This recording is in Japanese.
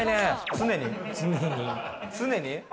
常に？